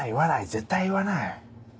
絶対言わない。